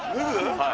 はい。